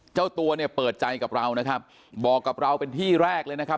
เจ้าตัวเนี่ยเปิดใจกับเรานะครับบอกกับเราเป็นที่แรกเลยนะครับ